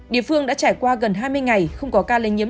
địa phương đã trải qua gần hai mươi ngày không có ca lây nhiễm